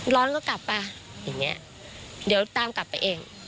ร้อนก็กลับไปอย่างนี้เดี๋ยวตามกลับไปเอง